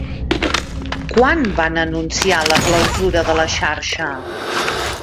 Quan van anunciar la clausura de la xarxa?